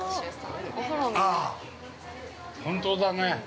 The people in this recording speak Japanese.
◆あぁ、本当だね。